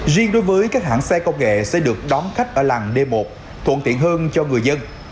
riêng đối với các hãng xe công nghệ sẽ được đón khách ở làng d một thuận tiện hơn cho người dân